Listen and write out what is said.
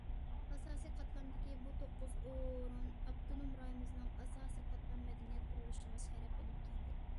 ئاساسىي قاتلامدىكى بۇ توققۇز ئورۇن ئاپتونوم رايونىمىزنىڭ ئاساسىي قاتلام مەدەنىيەت قۇرۇلۇشىغا شەرەپ ئېلىپ كەلدى.